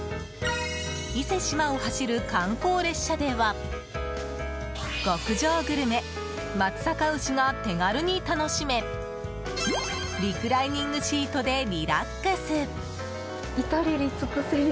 伊勢志摩を走る観光列車では極上グルメ松阪牛が手軽に楽しめリクライニングシートでリラックス。